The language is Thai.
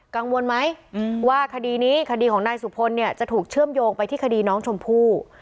กังวลไหมว่าคดีนี้คดีของนายสุพลเนี่ยจะถูกเชื่อมโยงไปที่คดีน้องชมพู่